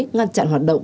ngăn chặn hoạt động